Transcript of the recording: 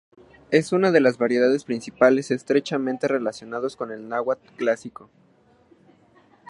Es una de las variedades principales estrechamente relacionados con el náhuatl clásico.